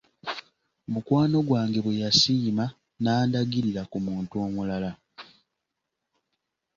Mukwano gwange bwe yasiima n’andagirira ku muntu omulala.